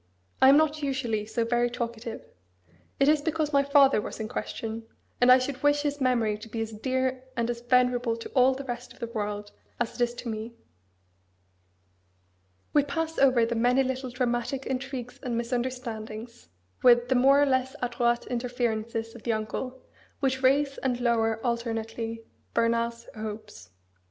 I am not usually so very talkative. It is because my father was in question; and I should wish his memory to be as dear and as venerable to all the rest of the world as it is to me." We pass over the many little dramatic intrigues and misunderstandings, with the more or less adroit interferences of the uncle, which raise and lower alternately Bernard's hopes. M.